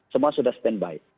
semua sudah standby